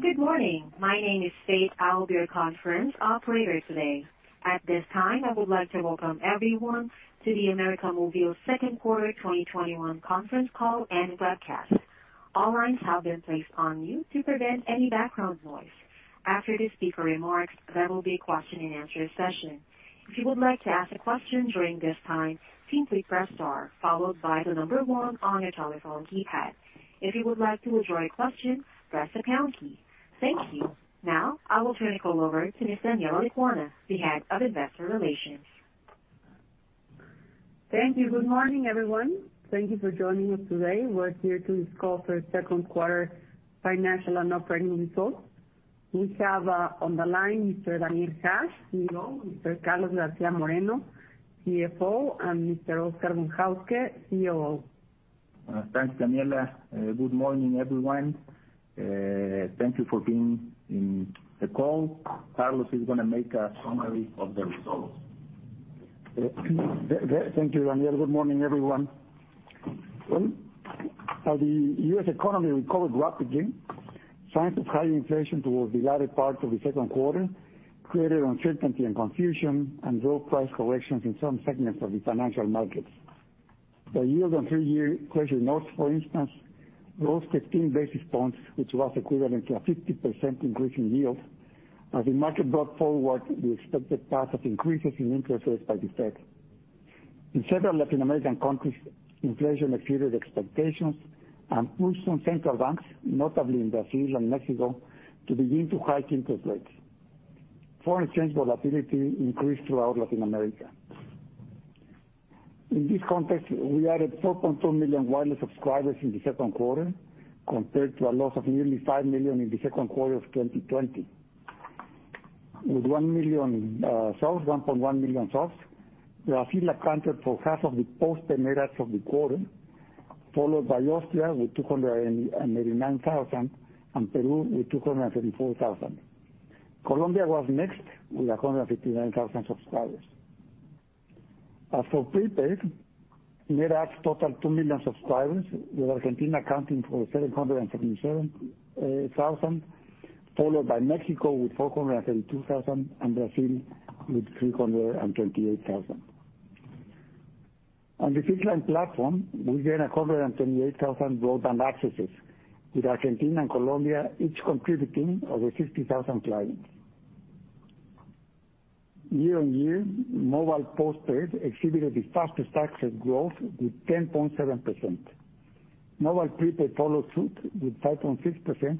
Good morning. My name is [Sade]. I will be your conference operator today. At this time, I would like to welcome everyone to the América Móvil Second Quarter 2021 Conference Call and Webcast. All lines have been placed on mute to prevent any background noise. After the speaker remarks, there will be a question-and-answer session. If you would like to ask a question during this time, simply press star followed by the number one on your telephone keypad. If you would like to withdraw your question, press the pound key. Thank you. Now, I will turn the call over to Ms. Daniela Lecuona, the Head of Investor Relations. Thank you. Good morning, everyone. Thank you for joining us today. We're here to discuss our second quarter financial and operating results. We have on the line Mr. Daniel Hajj, CEO, Mr. Carlos García Moreno, CFO, and Mr. Oscar Von Hauske, COO. Thanks, Daniela. Good morning, everyone. Thank you for being in the call. Carlos is going to make a summary of the results. Thank you, Daniel. Good morning, everyone. Well, as the U.S. economy recovered rapidly, signs of high inflation towards the latter part of the second quarter created uncertainty and confusion and low price corrections in some segments of the financial markets. The [year-on-year] credit notes, for instance, lost 15 basis points, which was equivalent to a 50% increase in yields as the market brought forward the expected path of increases in interest rates by the Fed. In several Latin American countries, inflation exceeded expectations and pushed some central banks, notably in Brazil and Mexico, to begin to hike interest rates. Foreign exchange volatility increased throughout Latin America. In this context, we added 4.2 million wireless subscribers in the second quarter, compared to a loss of nearly 5 million in the second quarter of 2020. With 1.1 million subs, Brazil accounted for half of the postpaid net adds of the quarter, followed by Austria with 289,000 and Peru with 234,000. Colombia was next with 159,000 subscribers. As for prepaid, net adds totaled 2 million subscribers, with Argentina accounting for 737,000, followed by Mexico with 432,000 and Brazil with 328,000. On the fixed-line platform we gained 128,000 broadband accesses, with Argentina and Colombia each contributing over 60,000 clients. Year-on-year, mobile postpaid exhibited the fastest rates of growth with 10.7%. Mobile prepaid followed suit with 5.6%,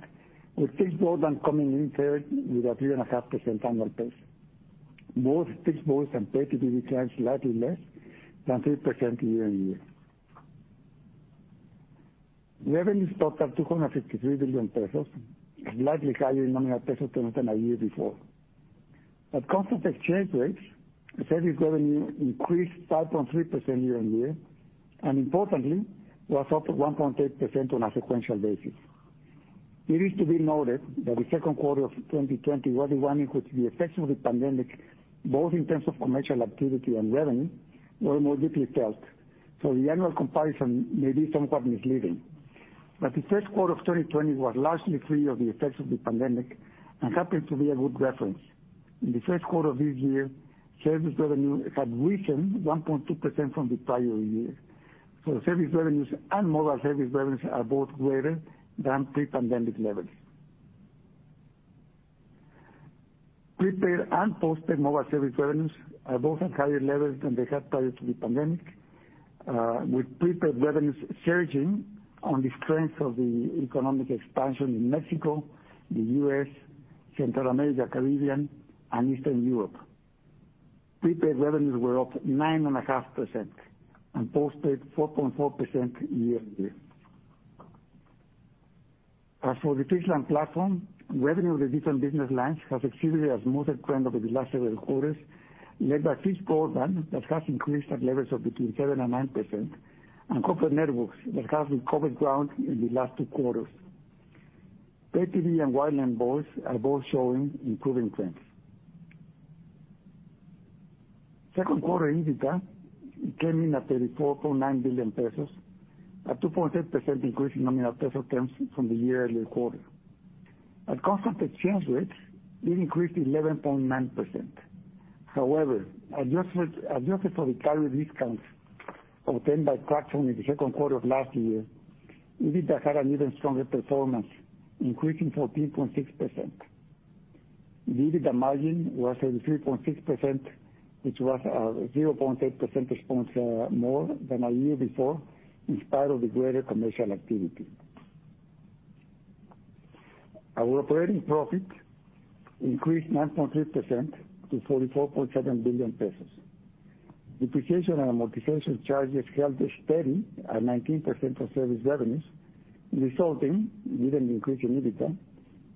with fixed broadband coming in third with a 3.5% annual pace. Both fixed voice and PayTV declined slightly less than 3% year-over-year. Revenues totaled MXN 253 billion, slightly higher in nominal pesos terms than a year before. At constant exchange rates, service revenue increased 5.3% year-on-year, and importantly, was up 1.8% on a sequential basis. It is to be noted that the second quarter of 2020 was the one in which the effects of the pandemic, both in terms of commercial activity and revenue, were most deeply felt, the annual comparison may be somewhat misleading. The first quarter of 2020 was largely free of the effects of the pandemic and happened to be a good reference. In the first quarter of this year, service revenue had risen 1.2% from the prior year. Service revenues and mobile service revenues are both greater than pre-pandemic levels. Prepaid and postpaid mobile service revenues are both at higher levels than they had prior to the pandemic, with prepaid revenues surging on the strength of the economic expansion in Mexico, the U.S., Central America, Caribbean, and Eastern Europe. Prepaid revenues were up 9.5% and postpaid 4.4% year-on-year. As for the fixed line platform, revenue in the different business lines has exhibited a smoother trend over the last several quarters, led by fixed broadband that has increased at levels of between 7% and 9%, and copper networks that have recovered ground in the last two quarters. PayTV and wireline voice are both showing improving trends. Second quarter EBITDA came in at [MXN 84.9 billion], a 2.8% increase in nominal peso terms from the year earlier quarter. At constant exchange rates, it increased 11.9%. However, adjusted for the tariff discounts obtained by TracFone in the second quarter of last year, EBITDA had an even stronger performance, increasing 14.6%. The EBITDA margin was at 3.6%, which was 0.8 percentage points more than a year before in spite of the greater commercial activity. Our operating profit increased 9.3% to 44.7 billion pesos. Depreciation and amortization charges held steady at 19% of service revenues, resulting given the increase in EBITDA,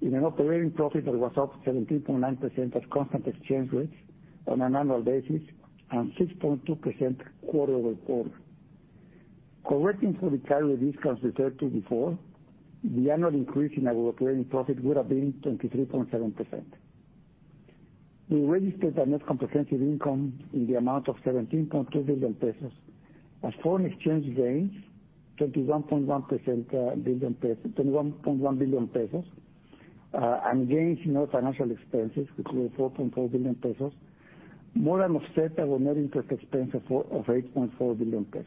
in an operating profit that was up 17.9% at constant exchange rates on an annual basis and 6.2% quarter-over-quarter. Correcting for the tariff discounts referred to before, the annual increase in our operating profit would have been 23.7%. We registered a net comprehensive income in the amount of 17.2 billion pesos. As foreign exchange gains, 21.1 billion pesos and gains in our financial expenses, which were 4.4 billion pesos, more than offset our net interest expense of 8.4 billion pesos.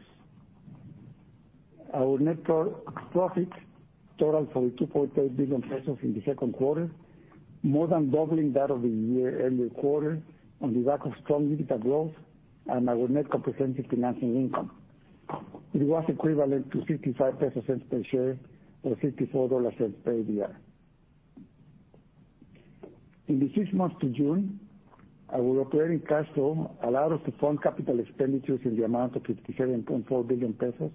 Our net profit totaled 42.8 billion pesos in the second quarter, more than doubling that of the year-earlier quarter on the back of strong unit growth and our net comprehensive financial income. It was equivalent to 65 pesos per share or $64 per ADR. In the six months of June, our operating cash flow allowed us to fund CapEx in the amount of 57.4 billion pesos,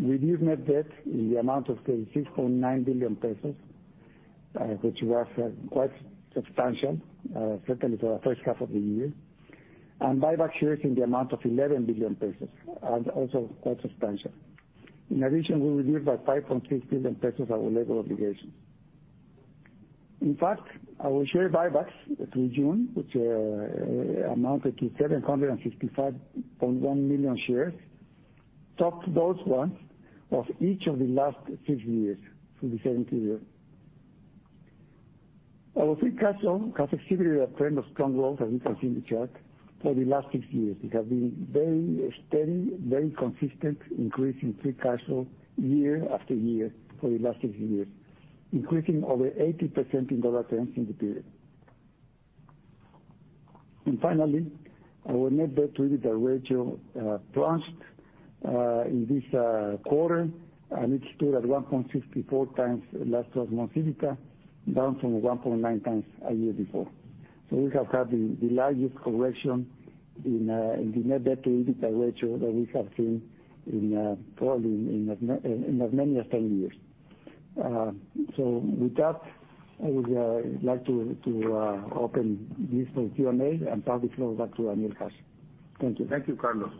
reduce net debt in the amount of 36.9 billion pesos, which was quite substantial, certainly for the first half of the year, and buybacks here in the amount of 11 billion pesos, also quite substantial. In addition, we reduced by 5.6 billion pesos our level of obligations. In fact, our share buybacks through June, which amounted to 755.1 million shares, topped those ones of each of the last six years for the same period. Our free cash flow has exhibited a trend of strong growth, as you can see in the chart, for the last six years. We have been very steady, very consistent increase in free cash flow year-after-year for the last six years, increasing over 80% in dollar terms in the period. Finally, our net debt to EBITDA ratio plunged in this quarter, and it stood at 1.64x last 12 months EBITDA, down from 1.9x a year before. We have had the largest correction in the net debt to EBITDA ratio that we have seen in probably as many as 10 years. With that, I would like to open this for Q&A and probably throw it back to Daniel Hajj. Thank you. Thank you, Carlos.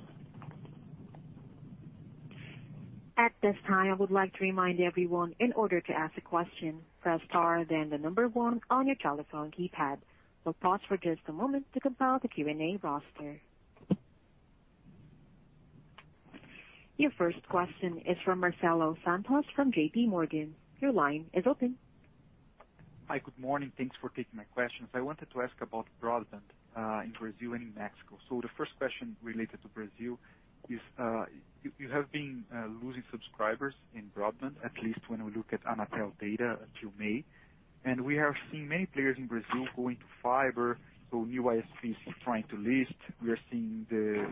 At this time, I would like to remind everyone, in order to ask a question, press star then the number one on your telephone keypad. We'll pause for just a moment to compile the Q&A roster. Your first question is from Marcelo Santos from JPMorgan. Your line is open. Hi. Good morning. Thanks for taking my questions. I wanted to ask about broadband in Brazil and in Mexico. The first question related to Brazil is, you have been losing subscribers in broadband, at least when we look at Anatel data through May. We have seen many players in Brazil going to fiber. New ISPs trying to list. We are seeing the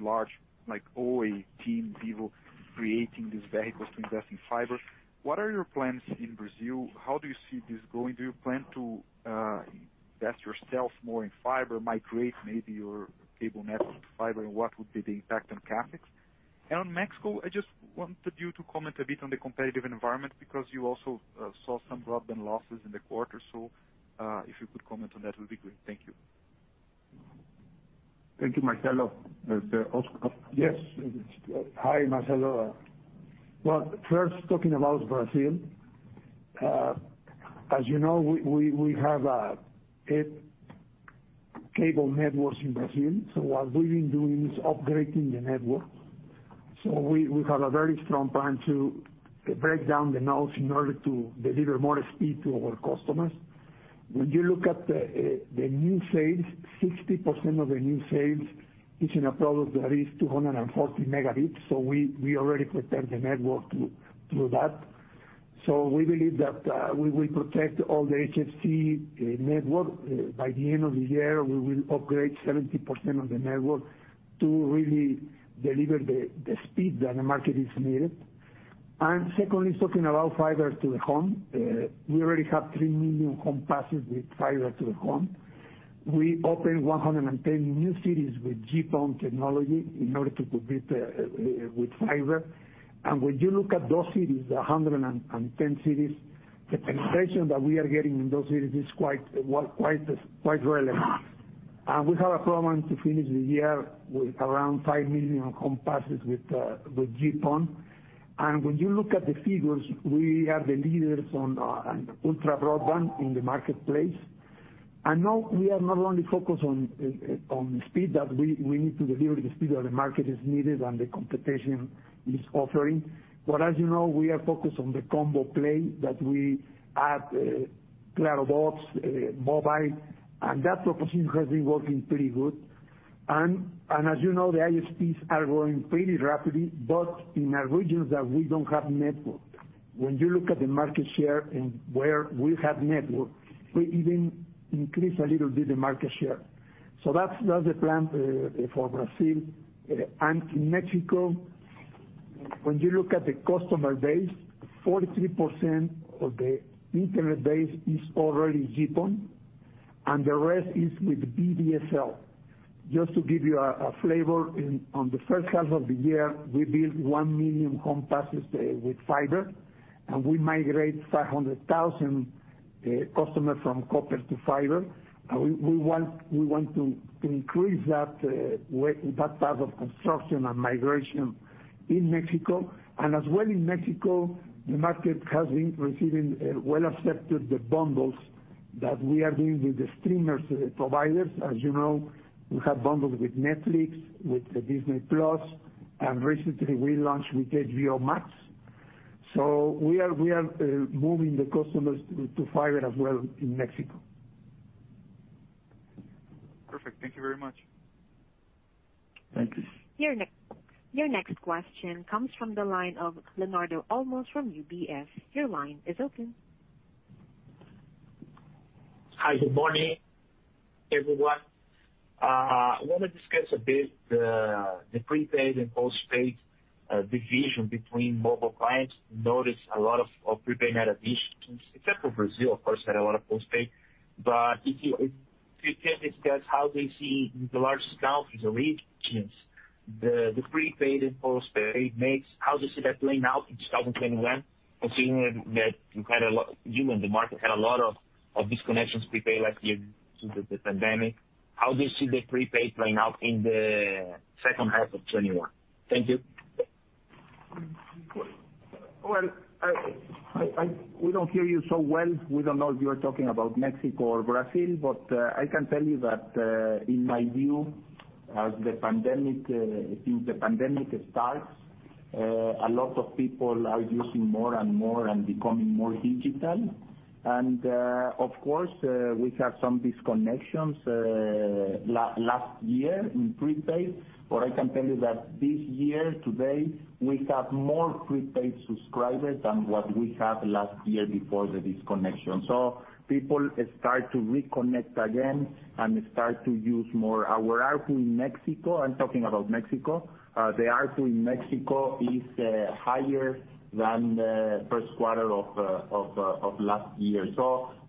large, like Oi, TIM, Vivo, creating these vehicles to invest in fiber. What are your plans in Brazil? How do you see this going? Do you plan to invest yourself more in fiber, migrate maybe your cable network to fiber? What would be the effect on CapEx? Mexico, I just wanted you to comment a bit on the competitive environment because you also saw some broadband losses in the quarter. If you could comment on that, it would be great. Thank you. Thank you, Marcelo. Is there Oscar? Yes. Hi, Marcelo. Well, first talking about Brazil. As you know, we have cable networks in Brazil. What we've been doing is upgrading the network. We have a very strong plan to break down the nodes in order to deliver more speed to our customers. When you look at the new sales, 60% of the new sales is in a product that is 240 Mbps. We already protect the network through that. We believe that we will protect all the HFC network. By the end of the year, we will upgrade 70% of the network to really deliver the speed that the market is needed. Secondly, talking about fiber to the home, we already have 3 million home passes with fiber to the home. We opened 110 new cities with GPON technology in order to compete with fiber. When you look at those cities, 110 cities, the penetration that we are getting in those cities is quite relevant. We have a plan to finish the year with around 5 million home passes with GPON. When you look at the figures, we are the leaders on ultra broadband in the marketplace. Now we are not only focused on the speed that we need to deliver, the speed that the market is needed and the competition is offering. As you know, we are focused on the combo play that we add Claro Box TV, and that proposition has been working pretty good. As you know, the ISPs are growing pretty rapidly, but in the regions that we don't have network. When you look at the market share and where we have network, we even increase a little bit of market share. That's the plan for Brazil. In Mexico, when you look at the customer base, 43% of the internet base is already GPON, and the rest is with VDSL. Just to give you a flavor, on the first half of the year, we built 1 million home passes with fiber, and we migrate 500,000 customers from copper to fiber. We want to increase that path of construction and migration in Mexico. As well in Mexico, the market has been receiving well accepted the bundles. That we are doing with the streamers providers. As you know, we have bundles with Netflix, with Disney+, and recently we launched with HBO Max. We are moving the customers to fiber as well in Mexico. Perfect. Thank you very much. Thank you. Your next question comes from the line of Leonardo Olmos from UBS. Your line is open. Hi, good morning, everyone. I want to discuss a bit the prepaid and postpaid division between mobile clients. We noticed a lot of prepaid additions, except for Brazil, of course, had a lot of postpaid. If you can discuss how they see the largest countries or regions, the prepaid and postpaid mix, how do you see that playing out in 2021, considering that the market had a lot of disconnections prepaid last year due to the pandemic? How do you see the prepaid playing out in the second half of 2021? Thank you. Well, we don't hear you so well. We don't know if you're talking about Mexico or Brazil, but I can tell you that in my view, since the pandemic starts, a lot of people are using more and more and becoming more digital. Of course, we had some disconnections last year in prepaid. I can tell you that this year, today, we have more prepaid subscribers than what we had last year before the disconnection. People start to reconnect again and start to use more. Our ARPU in Mexico, I'm talking about Mexico, the ARPU in Mexico is higher than the first quarter of last year.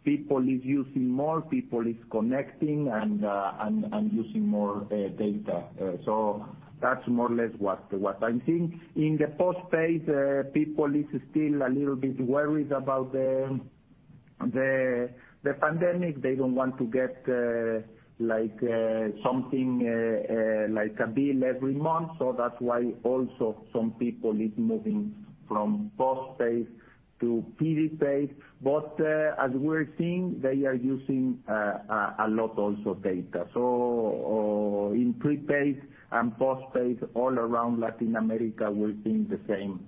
People is using more, people is connecting and using more data. That's more or less what. I think in the postpaid, people is still a little bit worried about the pandemic. They don't want to get something like a bill every month. That's why also some people is moving from postpaid to prepaid. As we're seeing, they are using a lot also data. In prepaid and postpaid all around Latin America, we're seeing the same.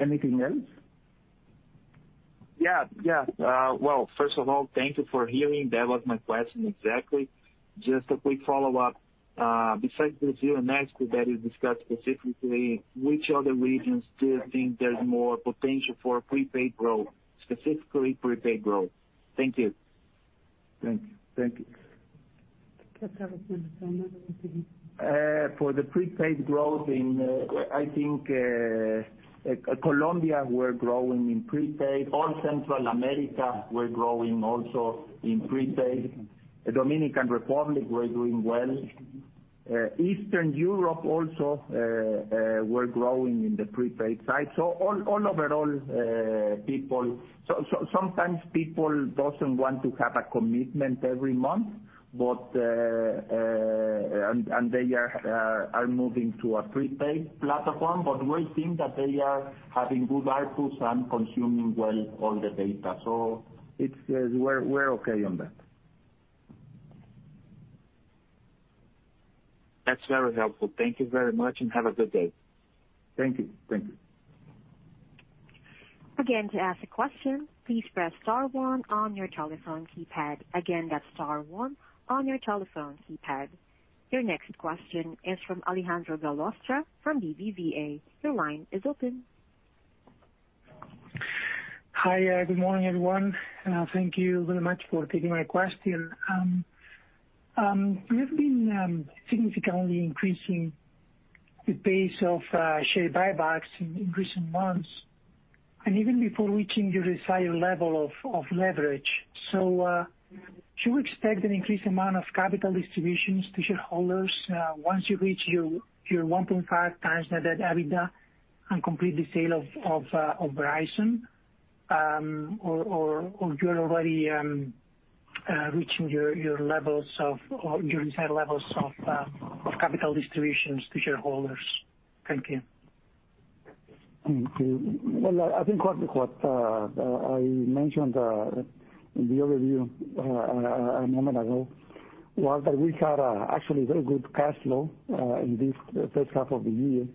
Anything else? Yeah. Well, first of all, thank you for hearing. That was my question exactly. Just a quick follow-up. Besides Brazil and Mexico that you discussed specifically, which other regions do you think there's more potential for prepaid growth, specifically prepaid growth? Thank you. Thank you. For the prepaid growth in, I think, Colombia, we're growing in prepaid. All Central America, we're growing also in prepaid. Dominican Republic, we're doing well. Eastern Europe also, we're growing in the prepaid side. All overall, sometimes people doesn't want to have a commitment every month, and they are moving to a prepaid platform. We think that they are having good ARPU and consuming well all the data. We're okay on that. That's very helpful. Thank you very much, and have a good day. Thank you. Again, to ask a question, please press star one on your telephone keypad. Again, that's star one on your telephone keypad. Your next question is from Alejandro Gallostra from BBVA. Your line is open. Hi. Good morning, everyone. Thank you very much for taking my question. You've been significantly increasing the pace of share buybacks in recent months, and even before reaching your desired level of leverage. Do you expect an increased amount of capital distributions to shareholders once you reach your 1.5x net debt EBITDA and complete the sale of Verizon? You're already reaching your desired levels of capital distributions to shareholders? Thank you. Well, I think what I mentioned in the overview a moment ago, was that we had actually very good cash flow in this first half of the year,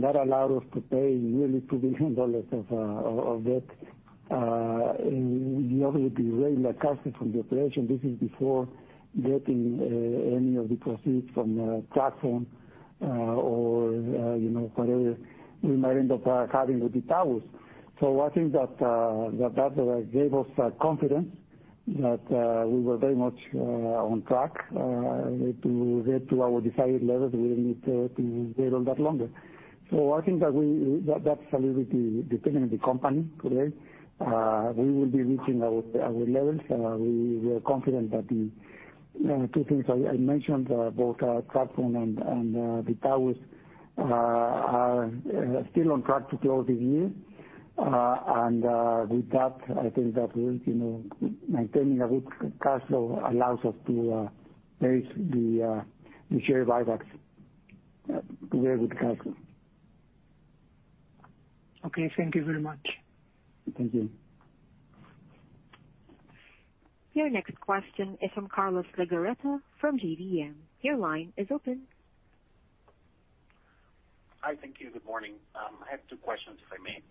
that allowed us to pay nearly $2 billion of debt. We normally generate the cash flow from the operation. This is before getting any of the proceeds from TracFone or whatever we might end up having with. I think that gave us confidence that we were very much on track to get to our desired levels. We need to wait a little bit longer. I think that's a little bit dependent on the company today. We will be reaching our levels, and we are confident that the two things I mentioned, both TracFone and, are still on track to close this year. With that, I think that maintaining a good cash flow allows us to pay the share buybacks. We have a good cash flow. Okay, thank you very much. Thank you. Your next question is from Carlos Legarreta from GBM. Your line is open. Hi, thank you. Good morning. I have two questions, if I may.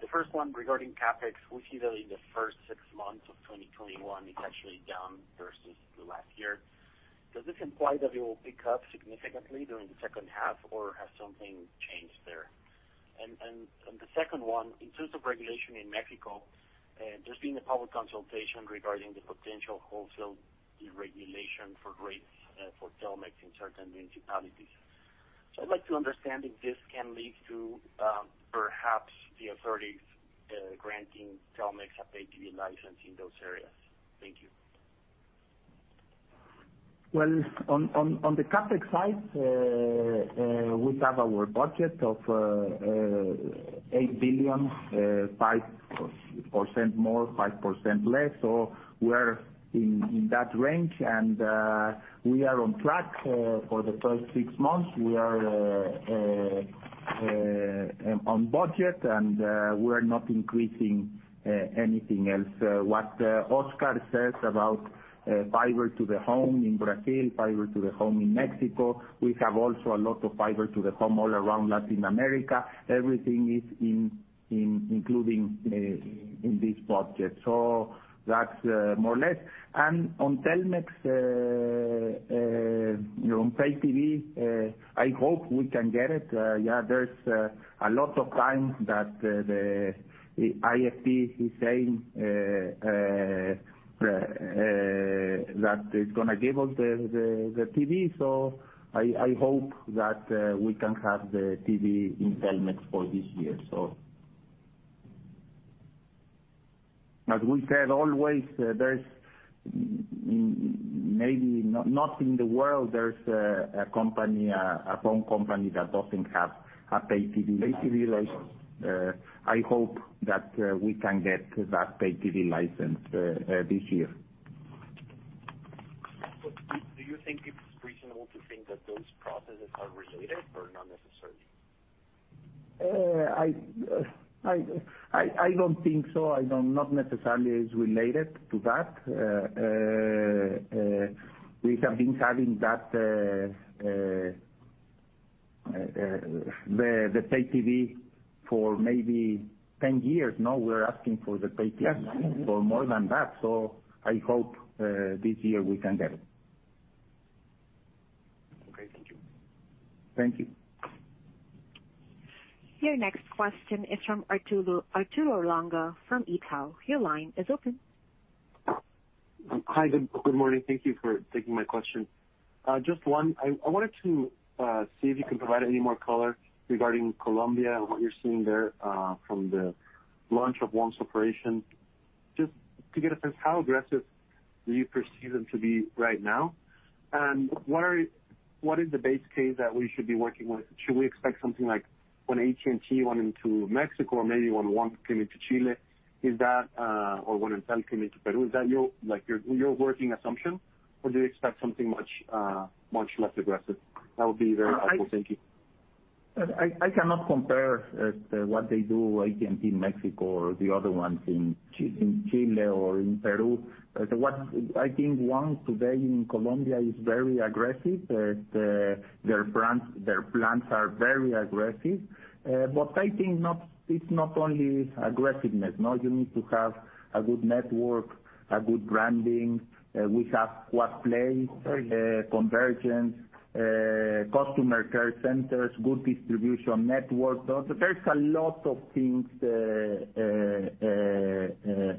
The first one regarding CapEx, we see that in the first six months of 2021, it's actually down versus last year. Does this imply that it will pick up significantly during the second half, has something changed there? The second one, in terms of regulation in Mexico, there's been a public consultation regarding the potential wholesale deregulation for rates for Telmex in certain municipalities. I'd like to understand if this can lead to perhaps the authorities granting Telmex a PayTV license in those areas. Thank you. Well, on the CapEx side, we have our budget of 8 billion, 5% more, 5% less. We are in that range, and we are on track for the first six months. We are on budget, and we're not increasing anything else. What Oscar says about fiber to the home in Brazil, fiber to the home in Mexico, we have also a lot of fiber to the home all around Latin America. Everything is included in this budget. That's more or less. On Telmex, on PayTV, I hope we can get it. Yeah, there's a lot of times that the IFT is saying that it's going to give us the TV. I hope that we can have the TV in Telmex for this year. As we said always, maybe not in the world, there's a one phone company that doesn't have a PayTV license. I hope that we can get that PayTV license this year. Do you think it's reasonable to think that those processes are related or not necessarily? I don't think so. Not necessarily is related to that. We have been having the PayTV for maybe 10 years now. We're asking for the PayTV for more than that. I hope this year we can get it. Okay. Thank you. Thank you. Your next question is from Arturo Langa from Itaú BBA. Your line is open. Hi, good morning. Thank you for taking my question. Just one. I wanted to see if you can provide any more color regarding Colombia and what you're seeing there from the launch of WOM's operation. Just to get a sense, how aggressive do you perceive them to be right now? What is the base case that we should be working with? Should we expect something like when AT&T went into Mexico or maybe when WOM came into Chile? When Telmex came into Peru. Is that your working assumption? Do you expect something much less aggressive? That would be great. Thank you. I cannot compare what they do, AT&T Mexico or the other ones in Chile or in Peru. I think WOM today in Colombia is very aggressive. Their plans are very aggressive. I think it's not only aggressiveness. You need to have a good network, a good branding. We have quad play, convergence, customer care centers, good distribution network. There's a lot of things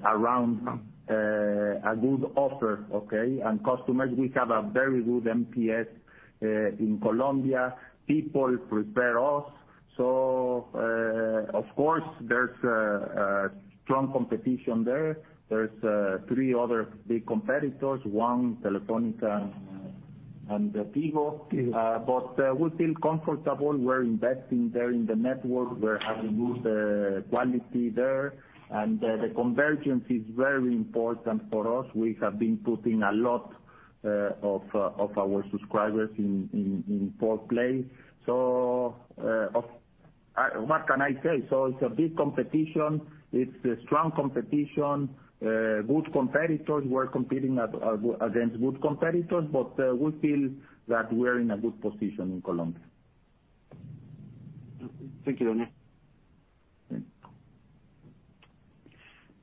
around a good offer, okay. Customers, we have a very good NPS in Colombia. People prefer us. Of course, there's strong competition there. There's three other big competitors, WOM, Telefónica, and [TiVo]. We feel comfortable. We're investing there in the network. We're having good quality there. The convergence is very important for us. We have been putting a lot of our subscribers in quad play. What can I say? It's a big competition. It's a strong competition. Good competitors. We're competing against good competitors, but we feel that we're in a good position in Colombia. Thank you.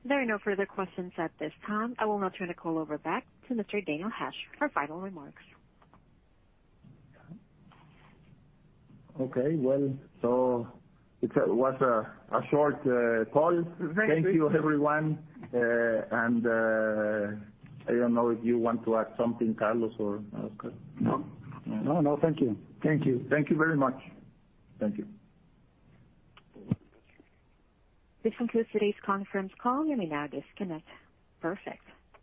There are no further questions at this time. I will now turn the call over back to Mr. Daniel Hajj for final remarks. Okay, well. It was a short call. Thank you, everyone. I don't know if you want to add something, Carlos or Oscar? No. No, thank you. Thank you. Thank you very much. Thank you. This concludes today's conference call, you may disconnect. Perfect.